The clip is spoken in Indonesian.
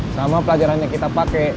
sama pelajaran yang kita pakai